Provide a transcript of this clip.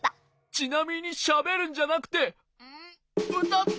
ちなみにしゃべるんじゃなくてうたって！